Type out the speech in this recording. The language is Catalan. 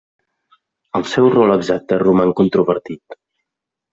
El seu rol exacte roman controvertit.